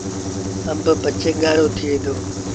آݩب پچي ڳآڙو ٿئي دو۔